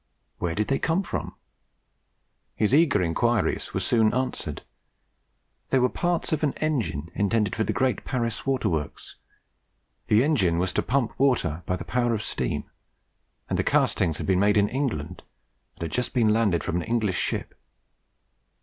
Where did they come from? His eager inquiries were soon answered. They were parts of an engine intended for the great Paris water works; the engine was to pump water by the power of steam; and the castings had been made in England, and had just been landed from an English ship.